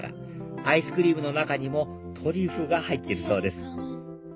アイスクリームの中にもトリュフが入ってるそうです